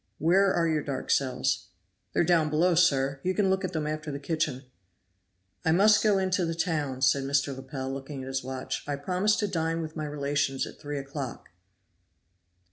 "Where are your dark cells?" "They are down below, sir. You can look at them after the kitchen." "I must go into the town," said Mr. Lepel, looking at his watch. "I promised to dine with my relations at three o'clock."